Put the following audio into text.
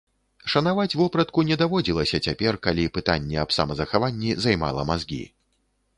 Шанаваць вопратку не даводзілася цяпер, калі пытанне аб самазахаванні займала мазгі.